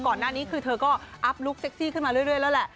ก่อนหน้านี้คือเธอก็อัพลุคเซ็กซี่ขึ้นมาเรื่อยแล้วแหละ